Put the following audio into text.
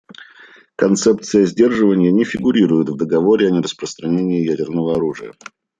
Концепция сдерживания не фигурирует в Договоре о нераспространении ядерного оружия.